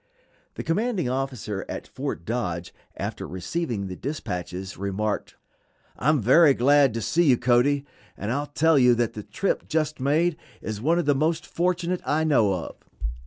The commanding officer at Fort Dodge after receiving the dispatches remarked: "I am very glad to see you, Cody, and I'll tell you that the trip just made is one of the most fortunate I know of.